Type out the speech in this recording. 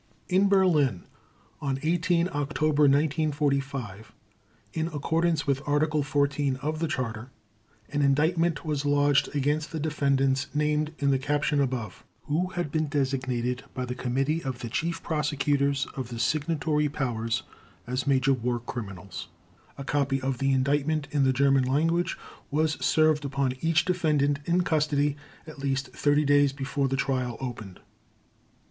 In Berlin, on 18 October 1945, in accordance with Article 14 of the Charter, an Indictment was lodged against the defendants named in the caption above, who had been designated by the Committee of the Chief Prosecutors of the signatory Powers as major war criminals. A copy of the Indictment in the German language was served upon each defendant in custody, at least 30 days before the Trial opened.